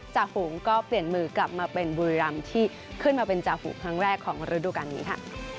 จูงก็เปลี่ยนมือกลับมาเป็นบุรีรำที่ขึ้นมาเป็นจ่าฝูงครั้งแรกของฤดูการนี้ค่ะ